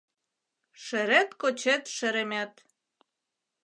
Шерет-кочет шеремет —